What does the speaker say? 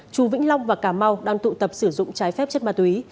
chú vĩnh long và cà mau đang tụ tập sử dụng trái phép chất ma túy